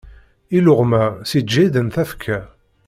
Iluɣma ssiǧhiden tafekka.